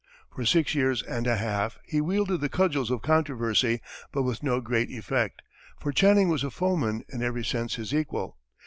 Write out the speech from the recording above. For six years and a half, he wielded the cudgels of controversy, but with no great effect, for Channing was a foeman in every sense his equal.